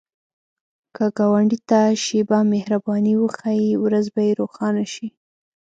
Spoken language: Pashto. که ګاونډي ته شیبه مهرباني وښایې، ورځ به یې روښانه شي